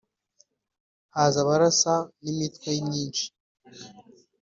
haza abarasa n’imitwe myinshi